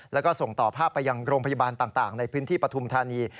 แล้วก็ส่งต่อภาพไปยังโรงพยาบาลต่างในพื้นที่ปฐุมธานี